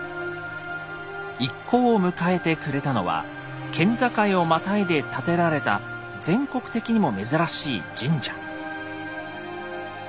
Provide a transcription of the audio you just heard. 一行を迎えてくれたのは県境をまたいで建てられた全国的にも珍しい神社。